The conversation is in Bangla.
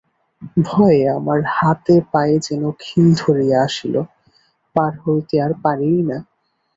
ভয়ে আমার হাতে পায়ে যেন খিল ধরিয়া আসিল, পার হইতে আর পারিই না।